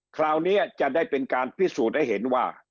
คราวนี้จะได้เป็นการพิสูจน์ให้เห็นว่า